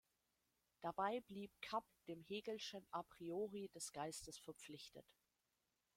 Dabei blieb Kapp dem Hegelschen Apriori des Geistes verpflichtet.